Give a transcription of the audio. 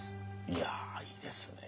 いやいいですね。